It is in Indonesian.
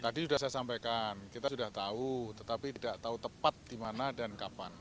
tadi sudah saya sampaikan kita sudah tahu tetapi tidak tahu tepat di mana dan kapan